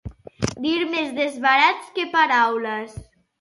Dir més desbarats que paraules